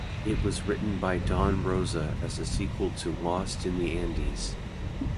It was written by Don Rosa as a sequel to Lost in the Andes!